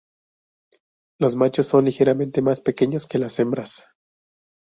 Los machos son ligeramente más pequeños que las hembras.